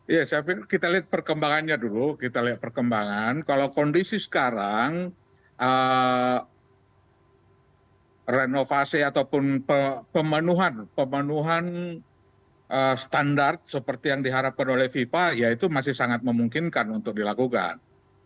ya saya pikir kita lihat perkembangannya dulu kita lihat perkembangan kalau kondisi sekarang renovasi ataupun pemenuhan standar seperti yang diharapkan oleh fifa ya itu masih sangat memungkinkan untuk dilakukan